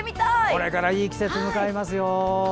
これからいい季節迎えますよ。